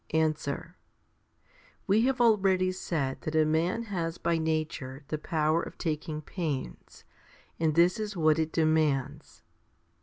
Answer. We have already said that a man has by nature the power of taking pains, and this is what it demands.